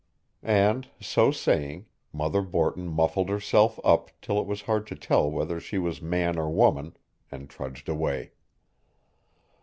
And, so saying, Mother Borton muffled herself up till it was hard to tell whether she was man or woman, and trudged away.